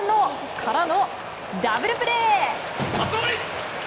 からのダブルプレー！